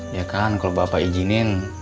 ya kan kalau bapak izinin